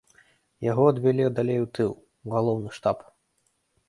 Яго адвялі далей у тыл, у галоўны штаб.